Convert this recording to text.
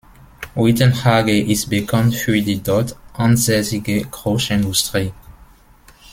Uitenhage ist bekannt für die dort ansässige Großindustrie.